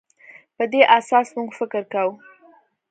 په دې اساس موږ فکر کوو.